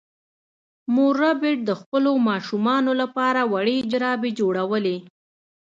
مور ربیټ د خپلو ماشومانو لپاره وړې جرابې جوړولې